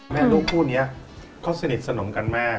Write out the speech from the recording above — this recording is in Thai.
แม่ลูกคู่นี้เขาสนิทสนมกันมาก